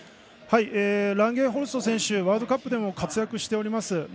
ランゲンホルスト選手はワールドカップでも活躍してます。